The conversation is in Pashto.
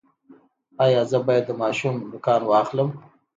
ایا زه باید د ماشوم نوکان واخلم؟